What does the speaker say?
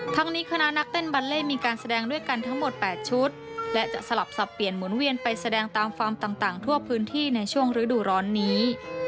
ทั้งนี้คณะนักเต้นบัลเล่มีการแสดงด้วยกันทั้งหมด๘ชุดและจะสลับสับเปลี่ยนหมุนเวียนไปแสดงตามฟาร์มต่างทั่วพื้นที่ในช่วงฤดูร้อนนี้